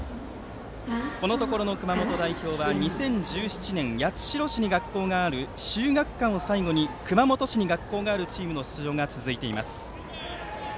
このところの熊本代表は２０１７年、八代市に学校がある秀岳館を最後に熊本市に学校があるチームの出場が続いています。